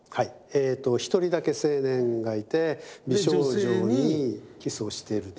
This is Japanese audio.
えっと１人だけ青年がいて美少女にキスをしているという。